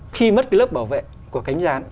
khi mất cái lớp bảo vệ của cánh rán